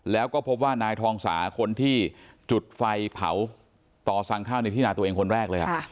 แล้วก็พบว่านายทองสาคนที่จุดไฟเผาต่อสั่งข้าวในที่นาตัวเองคนแรกเลย